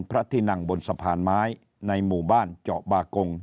พระที่นั่งบนสะพานไม้ในหมู่บ้านเจาะบากง